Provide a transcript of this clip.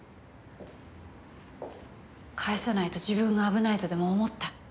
返さないと自分が危ないとでも思った？